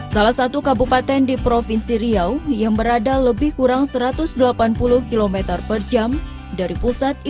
salah satu kabupaten di provinsi riau yang berada lebih kurang satu ratus delapan puluh km per jam dari pusat